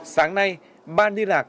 sáng nay ban đi lạc